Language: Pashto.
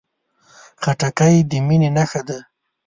خټکی د مینې نښه ده.